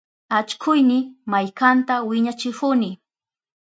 Allkuyni maykanta wiñachihuni.